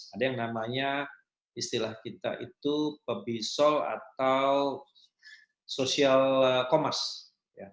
ada yang namanya istilah kita itu pebisol atau social commerce